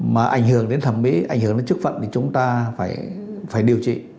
mà ảnh hưởng đến thẩm mỹ ảnh hưởng đến chức phận thì chúng ta phải điều trị